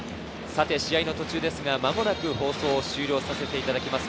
試合の途中ですが間もなく放送を終了させていただきます。